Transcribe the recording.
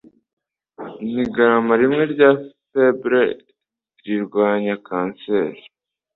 N'igarama rimwe rya fibre zirwanya cancer